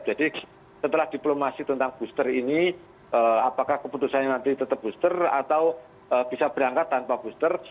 jadi setelah diplomasi tentang booster ini apakah keputusannya nanti tetap booster atau bisa berangkat tanpa booster